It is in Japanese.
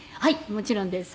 もちろんです。